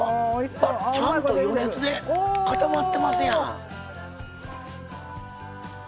ちゃんと予熱で固まってますやん。